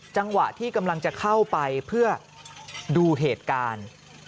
จังหวะที่กำลังจะเข้าไปเพื่อดูเหตุการณ์